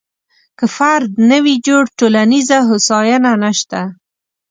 که فرد نه وي جوړ، ټولنیزه هوساینه نشته.